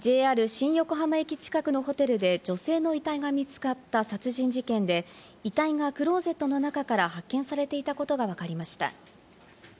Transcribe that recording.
新横浜駅近くのホテルで女性の遺体が見つかった殺人事件で、遺体がクローゼットの中から発見されていたことがわかりました。